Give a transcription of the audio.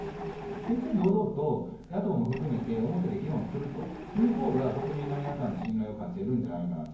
正々堂々と野党も含めて表で議論するというほうが、国民の皆さんの信頼を勝ち得るんではないかなと。